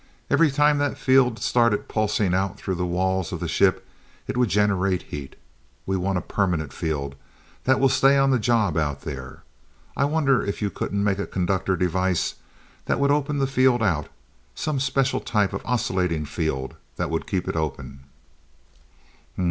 Every time that field started pulsing out through the walls of the ship it would generate heat. We want a permanent field that will stay on the job out there. I wonder if you couldn't make a conductor device that would open that field out some special type of oscillating field that would keep it open."